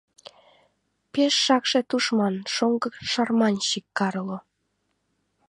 — Пеш шакше тушман, шоҥго шарманщик Карло.